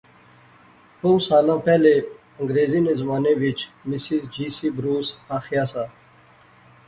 بہوں سالاں پہلے انگریریں نے زمانے وچ مسز جی سی بروس آخیا سا